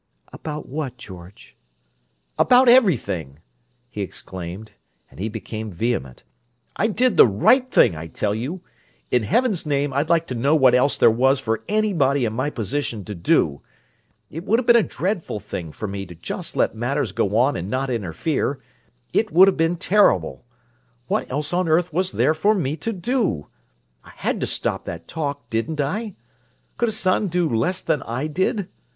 "About what, George?" "About everything!" he exclaimed; and he became vehement. "I did the right thing, I tell you! In heaven's name, I'd like to know what else there was for anybody in my position to do! It would have been a dreadful thing for me to just let matters go on and not interfere—it would have been terrible! What else on earth was there for me to do? I had to stop that talk, didn't I? Could a son do less than I did?